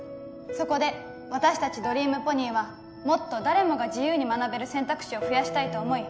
そこで私達ドリームポニーはもっと誰もが自由に学べる選択肢を増やしたいと思い